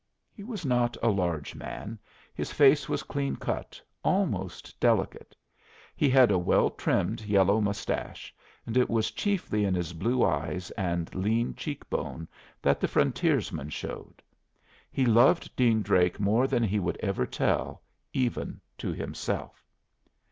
He was not a large man. His face was clean cut, almost delicate. He had a well trimmed, yellow mustache, and it was chiefly in his blue eye and lean cheek bone that the frontiersman showed. He loved Dean Drake more than he would ever tell, even to himself.